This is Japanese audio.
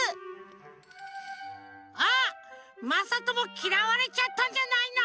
まさともきらわれちゃったんじゃないの？